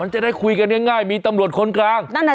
มันจะได้คุยกันง่ายง่ายมีตำรวจคนกลางนั่นแหละสิ